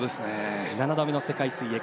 ７度目の世界水泳